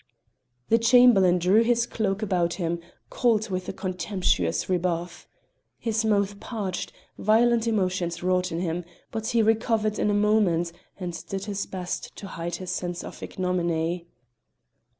The Chamberlain drew his cloak about him, cold with a contemptuous rebuff. His mouth parched; violent emotions wrought in him, but he recovered in a moment, and did his best to hide his sense of ignominy.